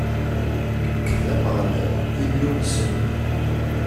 Nekk d Ameɣlal, Illu-nsen.